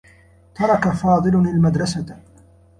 ترك فاضل المدرسة.